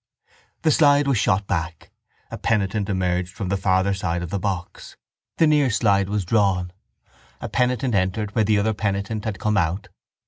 The slide was shot back. A penitent emerged from the farther side of the box. The near slide was drawn. A penitent entered where the other penitent had come out.